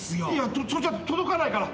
それじゃ届かないから。